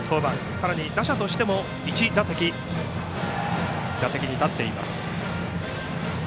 さらに打者としても１打席立っています。